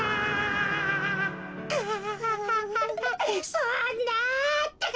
そんなってか！